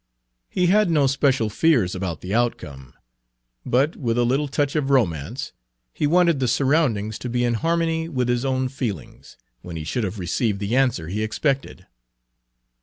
He had no special fears about the outcome, but, with a little touch of romance, he wanted the surroundings to be in harmony with his own feelings when he should have received the answer he expected.